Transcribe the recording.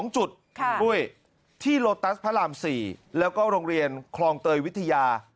๒จุดด้วยที่โลตัสพระราม๔แล้วก็โรงเรียนคลองเตยวิทยา